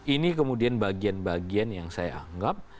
ini kemudian bagian bagian yang saya anggap